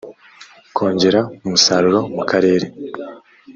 kongera umusaruro mu karere